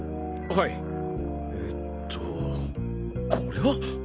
はいえっとこれは！